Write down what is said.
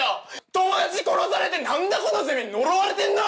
友達殺されて何だこのゼミ呪われてんな！